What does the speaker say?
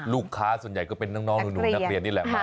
ลูกค้าส่วนใหญ่ก็เป็นน้องหนูนักเรียนนี่แหละ